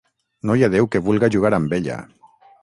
No hi ha déu que vulga jugar amb ella...